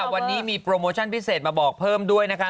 วันนี้มีโปรโมชั่นพิเศษมาบอกเพิ่มด้วยนะคะ